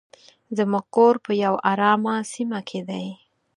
زموږ کور په یو ارامه سیمه کې دی.